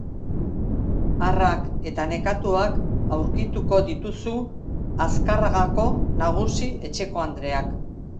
harrak eta nekatuak aurkituko dituzu Azkarragako nagusi-etxekoandreak.